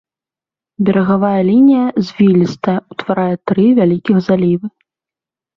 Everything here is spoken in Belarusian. Берагавая лінія звілістая, утварае тры вялікіх залівы.